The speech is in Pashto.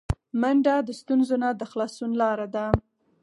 منډه د ستونزو نه د خلاصون لاره ده